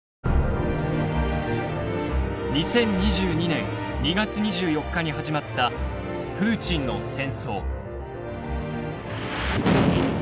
２０２２年２月２４日に始まったプーチンの戦争。